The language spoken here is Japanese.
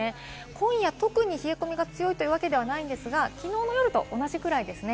今夜、特に冷え込みが強いというわけではないんですが、きのうの夜と同じくらいですね。